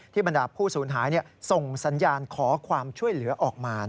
บรรดาผู้สูญหายส่งสัญญาณขอความช่วยเหลือออกมา